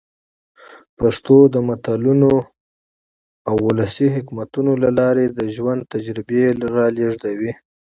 پښتو د متلونو او ولسي حکمتونو له لاري د ژوند تجربې را لېږدوي.